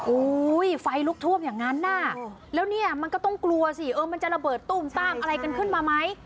ไฟลุกท่วมอย่างนั้นน่ะแล้วเนี่ยมันก็ต้องกลัวสิเออมันจะระเบิดตุ้มต้ามอะไรกันขึ้นมาไหม